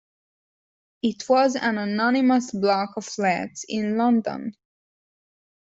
It was an anonymous block of flats in London